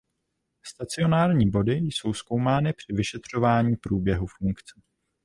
Stacionární body jsou zkoumány při vyšetřování průběhu funkce.